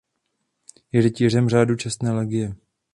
Je rytířem Řádu čestné legie.